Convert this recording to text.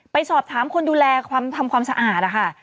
ไปสอบถามคนดูแลความทำความสะอาดนะคะ